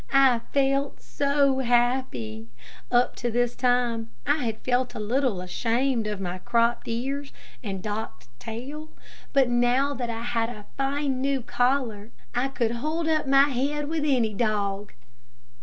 I felt so happy. Up to this time I had felt a little ashamed of my cropped ears and docked tail, but now that I had a fine new collar I could hold up my head with any dog.